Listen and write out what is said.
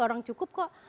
orang cukup kok